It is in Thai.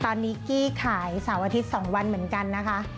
ตอนนี้กี้ขายเสาร์อาทิตย์๒วันเหมือนกันนะคะ